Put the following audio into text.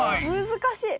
難しい。